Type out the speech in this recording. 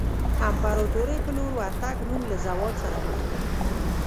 امپراتورۍ په لور ورتګ روم له زوال سره مخ کړ.